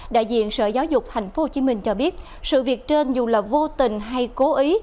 đại diện sở giáo dục tp hcm cho biết sự việc trên dù là vô tình hay cố ý